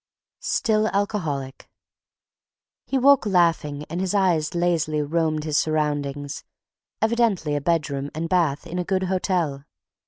STILL ALCOHOLIC He awoke laughing and his eyes lazily roamed his surroundings, evidently a bedroom and bath in a good hotel.